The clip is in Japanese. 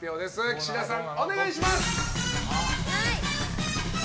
岸田さん、お願いします！